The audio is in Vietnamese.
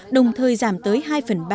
đồng thời giảm tới hai phần ba